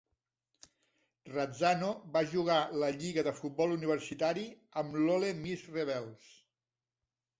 Razzano va jugar la lliga de futbol universitari amb l'Ole Miss Rebels.